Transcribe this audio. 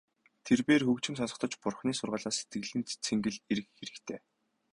Тэрбээр хөгжим сонсохдоо ч Бурханы сургаалаас сэтгэлийн цэнгэл эрэх хэрэгтэй.